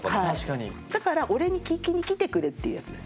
だから「俺に聞きに来てくれ」っていうやつです。